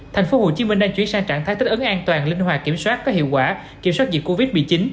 thành phố hồ chí minh đang chuyển sang trạng thái tích ấn an toàn linh hoạt kiểm soát có hiệu quả kiểm soát dịch covid một mươi chín